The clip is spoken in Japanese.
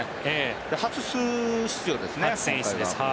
初出場ですね、今回が。